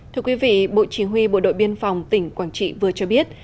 thưa quý vị bộ chỉ huy bộ đội biên phòng tỉnh quảng trị vừa cho biết